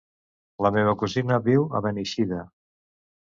La meva cosina viu a Beneixida.